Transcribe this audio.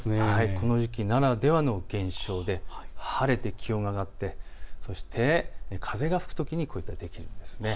この時期ならではの現象で晴れて気温が上がって、そして風が吹くときにこういったものが出てきます。